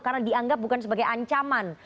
karena dianggap bukan sebagai ancaman